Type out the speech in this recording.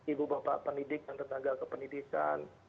ibu bapak pendidik dan tenaga kependidikan